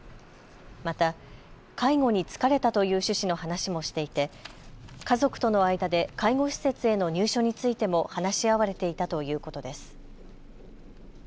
また介護に疲れたという趣旨の話もしていて家族との間で介護施設への入所についても話し合われていたということです。